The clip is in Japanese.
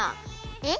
えっ？